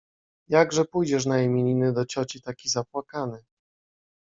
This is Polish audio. — Jakże pójdziesz na imieniny do cioci taki zapłakany!